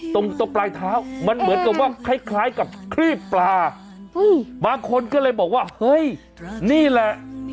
ตรงตรงปลายเท้ามันเหมือนกับว่าคล้ายกับครีบปลา